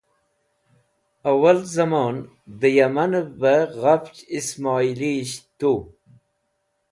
Awal Zamon de Yaman ev be Ghafch Ismoilisht Tu